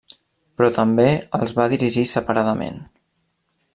Però també els va dirigir separadament.